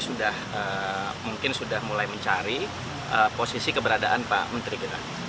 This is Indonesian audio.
sudah mungkin sudah mulai mencari posisi keberadaan pak menteri kita